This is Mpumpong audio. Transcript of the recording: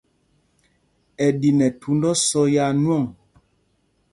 Ɛ di nɛ thūnd ósɔ́ yaa nwɔŋ.